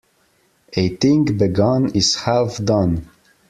A thing begun is half done.